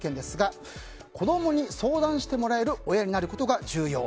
子供に相談してもらえる親になることが重要。